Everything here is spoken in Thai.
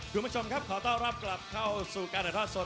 ดูมันชมครับขอต้อนรับกลับเข้าสู่การระยะท่าสด